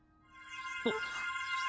あっ。